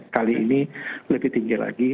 kali ini lebih tinggi lagi